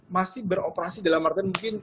masih beroperasi dalam artian mungkin